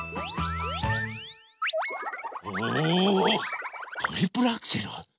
おおトリプルアクセル？